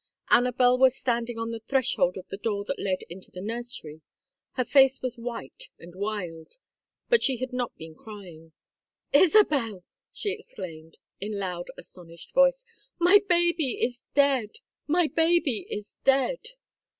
Anabel was standing on the threshold of the door that led into the nursery. Her face was white and wild, but she had not been crying. "Isabel!" she exclaimed, in loud astonished voice, "my baby is dead! My baby is dead!"